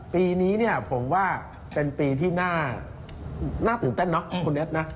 ปีนี้ผมว่าเป็นปีที่น่าน่าตื่นเต้นน่ะคุณแอฟนะ